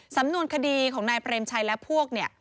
สำนวนคดีของนายเปรมชัยและพวกเนี่ย